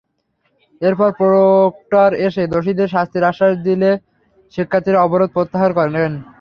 এরপর প্রক্টর এসে দোষীদের শাস্তির আশ্বাস দিলে শিক্ষার্থীরা অবরোধ প্রত্যাহার করে নেন।